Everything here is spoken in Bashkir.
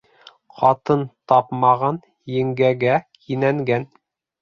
Ҡатын тапмаған еңгәгә кинәнгән.